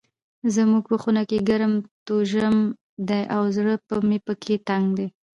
زموږ په خونه کې ګرم توژم ده او زړه مې پکي تنګ ده.